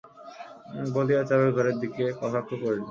বলিয়া চারুর ঘরের দিকে কটাক্ষ করিল।